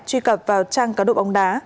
truy cập vào trang cá độ bóng đá